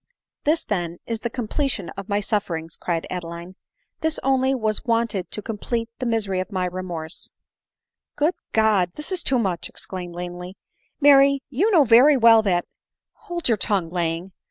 "This then is the completion of my sufferings," cried Adeline —" this only was wanted to complete the misery of my remorse." ," Good God ! this is too much," exclaimed Langely. " Mary you know very well that —" 344 ADELINE MOWBRAY. " Hold your tongue, Lang.